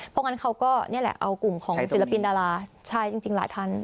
เพราะงั้นเขาก็นี่แหละเอากลุ่มของศิลปินดาราใช่จริงหลายท่าน